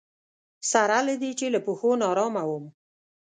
سره له دې چې له پښو ناارامه وم.